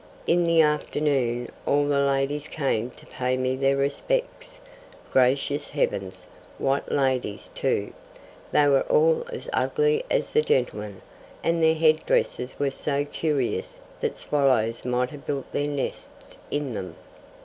In the afternoon all the ladies came to pay me their respects. Gracious heavens! What ladies, too! They were all as ugly as the gentlemen, and their head dresses were so curious that swallows might have built their nests in them.